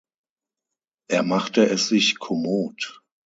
Er machte es sich kommod.